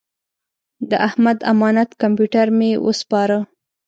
د احمد امانت کمپیوټر مې وسپاره.